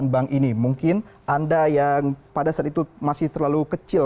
empat puluh delapan bank ini mungkin anda yang pada saat itu masih terlalu kecil